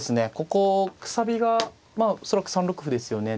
ここくさびがまあ恐らく３六歩ですよね。